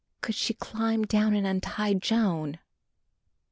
"Could she climb down and untie Joan?"